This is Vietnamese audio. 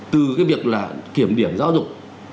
từ cái việc là kiểm điểm giáo dục